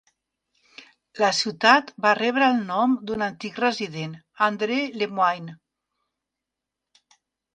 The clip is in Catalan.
La ciutat va rebre el nom d'un antic resident, Andre LeMoyne.